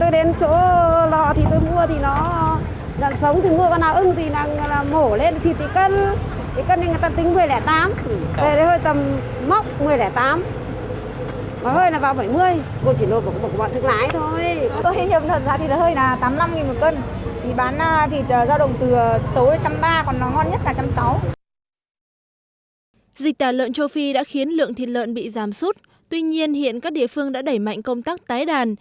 dịch tả lợn châu phi đã khiến lượng thịt lợn bị giảm sút tuy nhiên hiện các địa phương đã đẩy mạnh công tác tái đàn